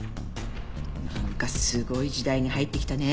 なんかすごい時代に入ってきたね。